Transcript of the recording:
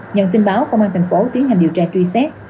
nhận tin báo công an thành phố tiến hành điều tra truy xét